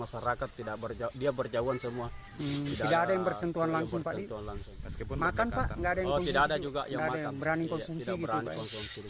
sebenarnya warga ini tidak pernah mengusik